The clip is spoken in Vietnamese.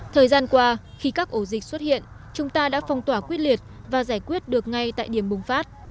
thời gian qua khi các ổ dịch xuất hiện chúng ta đã phong tỏa quyết liệt và giải quyết được ngay tại điểm bùng phát